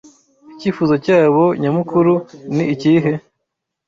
Icyifuzo cyabo nyamukuru ni ikihe?